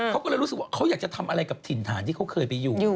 เขาก็เลยรู้สึกว่าเขาอยากจะทำอะไรกับถิ่นฐานที่เขาเคยไปอยู่